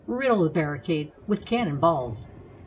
Riddle the barricade with can non balls.